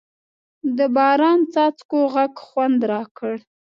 د باران څاڅکو غږ خوند راکړ.